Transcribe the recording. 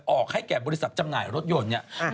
ออกให้แก่บริษัทจำหน่ายรถยนต์